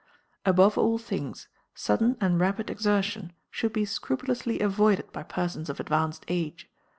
Above all things, sudden and rapid exertion should be scrupulously avoided by persons of advanced age.